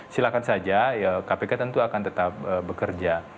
silahkan saja kpk tentu akan tetap bekerja